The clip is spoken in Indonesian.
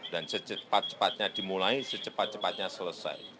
dan secepat cepatnya dimulai secepat cepatnya selesai